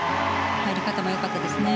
入り方もよかったですね。